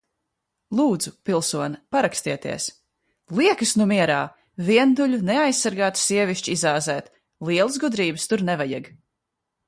-Lūdzu, pilsone, parakstieties. -Liekās nu mierā! Vientuļu, neaizsargātu sievišķi izāzēt- lielas gudrības tur nevajag.